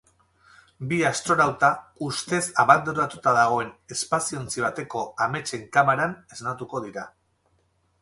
Bi astronauta ustez abandonatuta dagoen espaziontzi bateko ametsen kamaran esnatuko dira.